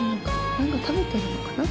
何か食べてるのかな？